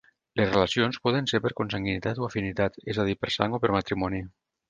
Les relacions poden ser per consanguinitat o afinitat, és a dir per sang o per matrimoni.